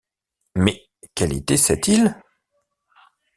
Mais quelle était cette île?